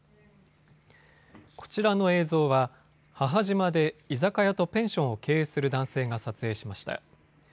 こちらの映像は母島で居酒屋とペンションを経営する男性が撮影しました。